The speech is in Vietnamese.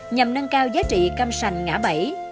nhằm nâng cao giá trị cam sành ngã bẫy